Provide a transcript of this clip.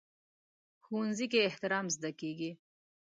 ښوونځی کې احترام زده کېږي